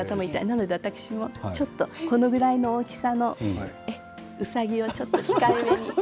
なので私もちょっとこのぐらいの大きさのうさぎをちょっと控えめに置かせていただいて。